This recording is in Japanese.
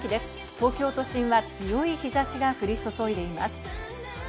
東京都心は強い日差しが降り注いでいます。